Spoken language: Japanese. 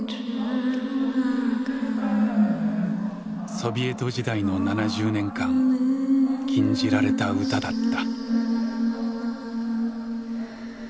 ソビエト時代の７０年間「禁じられた歌」だった。